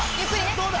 どうだ？